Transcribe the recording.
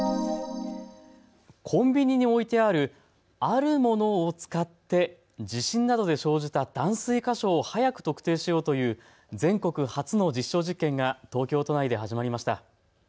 コンビニに置いてあるあるものを使って地震などで生じた断水箇所を早く特定しようという全国初の実証実験が東京都内で始まりました。